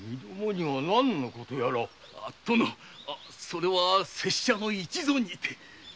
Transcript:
殿それは拙者の一存にて。